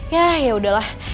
yah ya udahlah